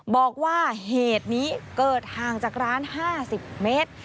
บอกว่าเหตุนี้เกิดห่างจากร้าน๕๐เมตร